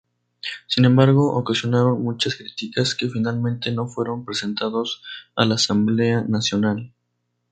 Sin embargo, ocasionaron muchas críticas, que finalmente no fueron presentados a la Asamblea Nacional.